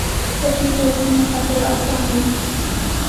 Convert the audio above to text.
په ټیټو غرونو ختل اسان وي